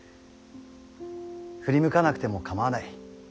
振り向かなくても構わない。